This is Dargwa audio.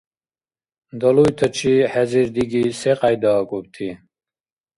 Далуйтачи хӀезир диги секьяйда акӀубти?